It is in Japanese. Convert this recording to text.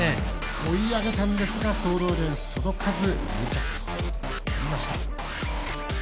追い上げたんですがソールオリエンス、届かず２着となりました。